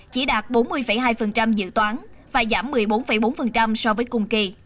chỉ đạt bốn mươi hai dự toán và giảm một mươi bốn bốn so với cùng kỳ